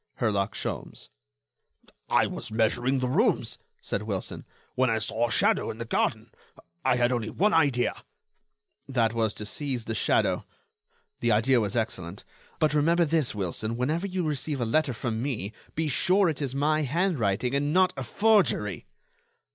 —Herlock Sholmes." "I was measuring the rooms," said Wilson, "when I saw a shadow in the garden. I had only one idea——" "That was to seize the shadow.... The idea was excellent.... But remember this, Wilson, whenever you receive a letter from me, be sure it is my handwriting and not a forgery."